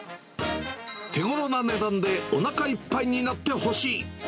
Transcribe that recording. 手ごろな値段でおなかいっぱいになってほしい。